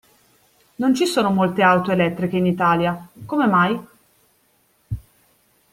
Non ci sono molte auto elettriche in Italia, come mai?